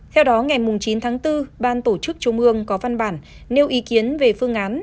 theo đó ngày chín tháng bốn ban tổ chức trung ương có văn bản nêu ý kiến về phương án